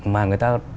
mà người ta